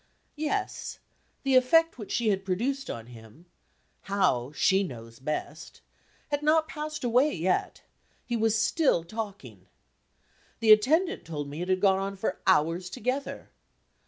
Yes; the effect which she had produced on him how, she knows best had not passed away yet: he was still talking. The attendant told me it had gone on for hours together.